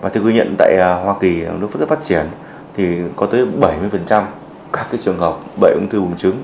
theo ghi nhận tại hoa kỳ nếu phát triển có tới bảy mươi các trường hợp bệnh ung thư buồng trứng